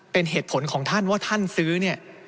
เป็นเหตุผลของท่านว่าท่านซื้อเนี่ย